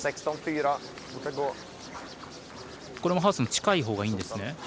ハウスに近いほうがいいんですね。